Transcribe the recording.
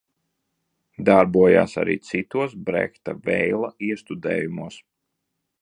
Darbojās arī citos Brehta – Veila iestudējumos.